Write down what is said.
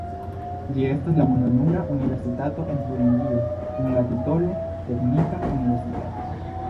Ĝi estas la ununura universitato en Turingio kun la titolo "teknika universitato".